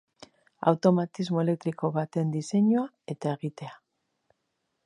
Automatismo elektriko baten diseinua eta egitea.